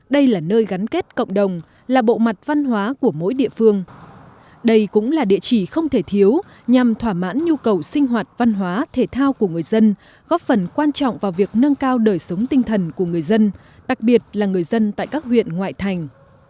đây cũng là địa chỉ không thể thiếu nhằm thỏa mãn nhu cầu sinh hoạt văn hóa thể thao của người dân góp phần quan trọng vào việc nâng cao đời sống tinh thần của người dân đặc biệt là người dân tại các huyện ngoại thành